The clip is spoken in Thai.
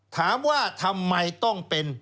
ถามว่าทำไมต้องเป็น